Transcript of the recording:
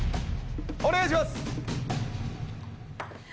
お願いします！